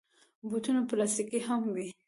بوټونه پلاستيکي هم وي.